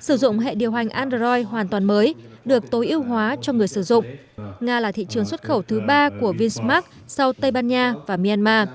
sử dụng hệ điều hành android hoàn toàn mới được tối ưu hóa cho người sử dụng nga là thị trường xuất khẩu thứ ba của vinsmark sau tây ban nha và myanmar